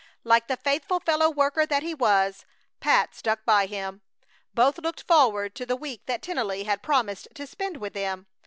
Like the faithful fellow worker that he was, Pat stuck by him. Both looked forward to the week that Tennelly had promised to spend with them.